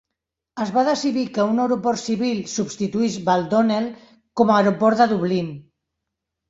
Es va decidir que un aeroport civil substituís Baldonnel com a aeroport de Dublín.